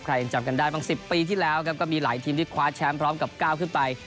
ยังจำกันได้บาง๑๐ปีที่แล้วครับก็มีหลายทีมที่คว้าแชมป์พร้อมกับก้าวขึ้นไป